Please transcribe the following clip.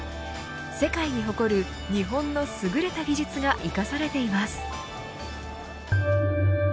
世界に誇る日本の優れた技術が生かされています。